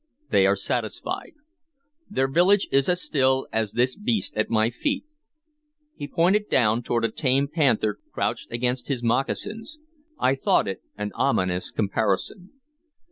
They are satisfied. Their village is as still as this beast at my feet." He pointed downward to a tame panther crouched against his moccasins. I thought it an ominous comparison.